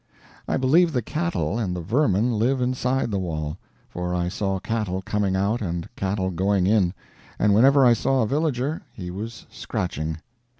I believe the cattle and the vermin live inside the wall; for I saw cattle coming out and cattle going in; and whenever I saw a villager, he was scratching.